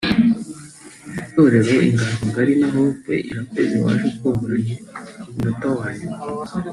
itorero Inganzo ngari na Hope Irakoze waje atunguranye ku munota wa nyuma